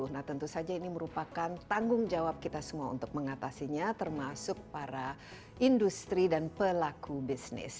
nah tentu saja ini merupakan tanggung jawab kita semua untuk mengatasinya termasuk para industri dan pelaku bisnis